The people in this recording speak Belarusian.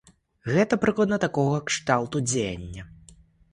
Гэта прыкладна такога кшталту дзеянне.